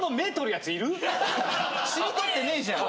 しりとってねえじゃん。